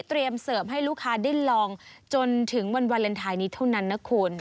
เสิร์ฟให้ลูกค้าได้ลองจนถึงวันวาเลนไทยนี้เท่านั้นนะคุณ